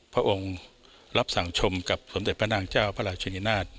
พระองค์รับสั่งชมกับสมเด็จพระนางเจ้าพระราชนินาศ